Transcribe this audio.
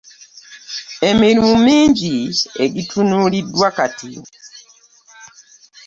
Emirimu mingi egitunuuliddwa kati.